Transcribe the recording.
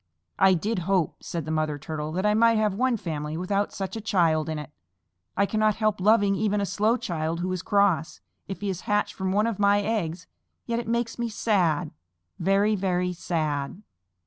"I did hope," said the Mother Turtle, "that I might have one family without such a child in it. I cannot help loving even a slow child who is cross, if he is hatched from one of my eggs, yet it makes me sad very, very sad."